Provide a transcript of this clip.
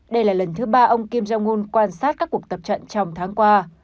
đây là lần thứ ba ông kim jong un quan sát các cuộc tập trận trong tháng qua